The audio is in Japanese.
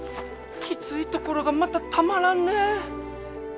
きついところがまたたまらんね。